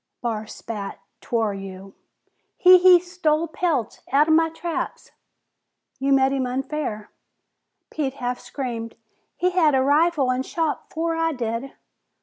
Barr spat, "'Twar you!" "He he stole pelts out'en my traps!" "You met him unfair!" Pete half screamed. "He had a rifle an' shot afore I did!"